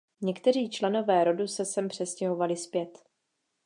Někteří členové rodu se sem přestěhovali zpět.